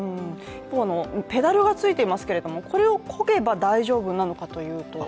一方、ペダルがついていますけれどもこれをこげば大丈夫なのかというと？